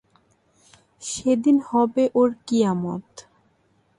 সেদিন হবে ওর কিয়ামত।